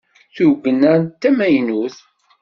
Tugna-a d tamaynut?